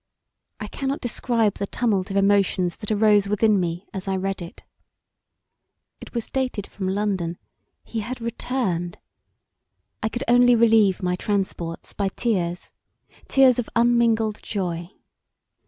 I cannot describe the tumult of emotions that arose within me as I read it. It was dated from London; he had returned! I could only relieve my transports by tears, tears of unmingled joy.